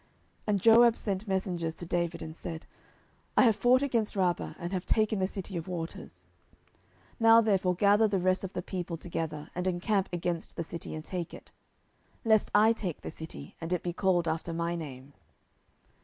10:012:027 And Joab sent messengers to David, and said, I have fought against Rabbah, and have taken the city of waters. 10:012:028 Now therefore gather the rest of the people together, and encamp against the city, and take it: lest I take the city, and it be called after my name.